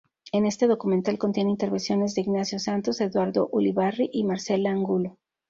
Este documental contiene intervenciones de Ignacio Santos, Eduardo Ulibarri y Marcela Angulo.